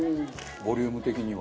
ボリューム的には。